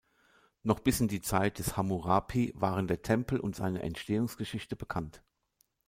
Noch bis in die Zeit des Hammurapi waren der Tempel und seine Entstehungsgeschichte bekannt.